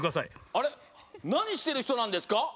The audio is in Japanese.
あれなにしてるひとなんですか？